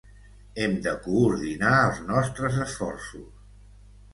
Hem de coordinar els nostres esforços.